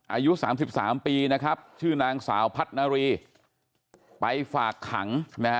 อายุ๓๓ปีนะครับชื่อนางสาวพัฒนารีไปฝากขังนะฮะ